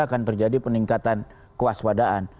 akan terjadi peningkatan kewaspadaan